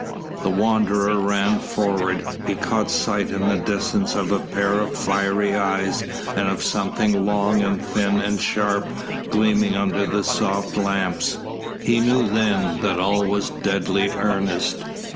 The Wanderer ran forward. He caught sight in the distance of a pair of fiery eyes and of something long and thin and sharp gleaming under the soft lamps. He knew then that all was deadly earnest.